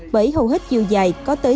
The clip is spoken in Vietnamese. bởi hầu hết chiều dài có tới chín